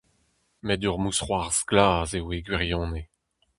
Met ur mousc'hoarzh glas eo e gwirionez.